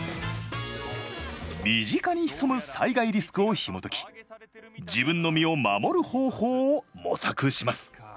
身近に潜む災害リスクをひもとき自分の身を守る方法を模索します。